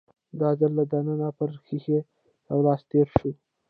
دا ځل له دننه پر ښيښه يو لاس تېر شو.